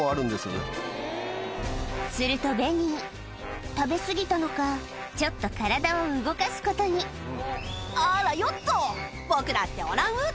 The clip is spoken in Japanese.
するとベニー食べ過ぎたのかちょっと体を動かすことにあらよっと僕だってオランウータン。